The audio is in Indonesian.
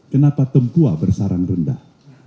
kenapa tempua bersaran rendah